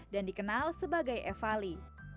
dan dikenal sebagai evalusi